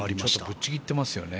ぶっちぎってますよね